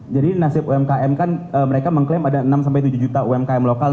jadi nasib umkm kan mereka mengklaim ada enam tujuh juta umkm lokal